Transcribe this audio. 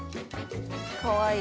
かわいい。